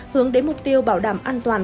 hướng đến mục tiêu bảo đảm an toàn